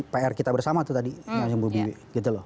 pr kita bersama itu tadi